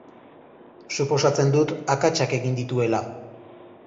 Suposatzen dut akatsak egin dituela.